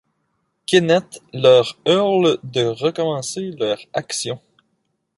Kenneth leur hurle de recommencer leur action.